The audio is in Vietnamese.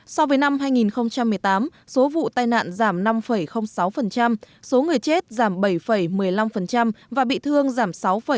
so với năm hai nghìn một mươi tám số vụ tai nạn giảm năm sáu số người chết giảm bảy một mươi năm và bị thương giảm sáu bảy